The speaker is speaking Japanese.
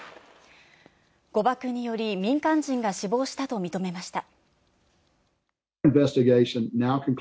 誤爆により民間人が死亡したと認めました。